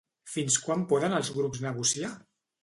Fins quan poden els grups negociar?